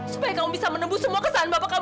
supaya kamu bisa menembus semua kesan bapak kamu